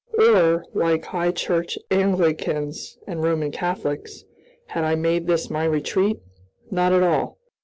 Or, like high church Anglicans and Roman Catholics, had I made this my retreat? Not at all.